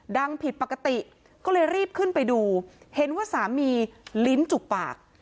ผิดปกติก็เลยรีบขึ้นไปดูเห็นว่าสามีลิ้นจุกปาก